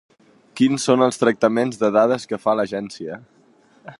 Quins són els tractaments de dades que fa l'Agència.